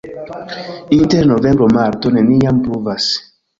Inter novembro-marto neniam pluvas.